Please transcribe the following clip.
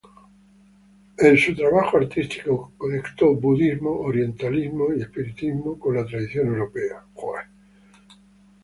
En su trabajo artístico conectó budismo, orientalismo y espiritismo con la tradición europea.